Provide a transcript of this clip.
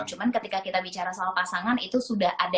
cuman ketika kita bicara soal pasangan itu sudah ada